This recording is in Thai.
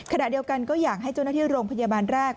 ขณะเดียวกันก็อยากให้เจ้าหน้าที่โรงพยาบาลแรก